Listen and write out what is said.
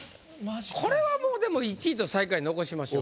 これはもうでも１位と最下位残しましょう。